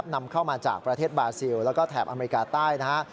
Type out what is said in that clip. นำเข้ามาจากประเทศบาซิลแล้วก็แถบอเมริกาใต้นะฮะ